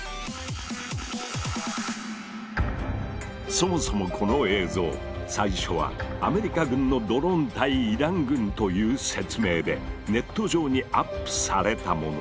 そもそもこの映像最初は「アメリカ軍のドローン対イラン軍」という説明でネット上にアップされたもの。